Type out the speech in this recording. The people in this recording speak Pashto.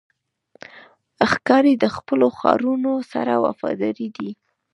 ښکاري د خپلو ښکارونو سره وفادار دی.